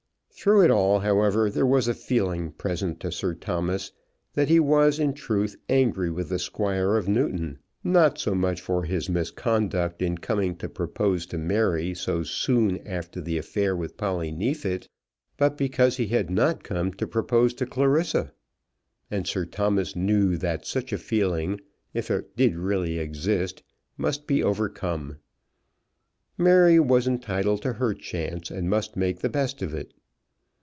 Through it all, however, there was a feeling present to Sir Thomas that he was, in truth, angry with the Squire of Newton, not so much for his misconduct in coming to propose to Mary so soon after the affair with Polly Neefit, but because he had not come to propose to Clarissa. And Sir Thomas knew that such a feeling, if it did really exist, must be overcome. Mary was entitled to her chance, and must make the best of it.